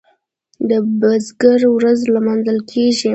د بزګر ورځ لمانځل کیږي.